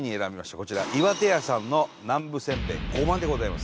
こちら巖手屋さんの南部せんべいごまでございます